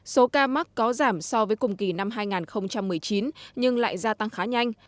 số ca mắc có giảm so với cùng kỳ năm hai nghìn một mươi chín nhưng lại gia tăng khá nhanh